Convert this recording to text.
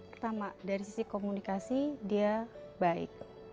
pertama dari sisi komunikasi dia baik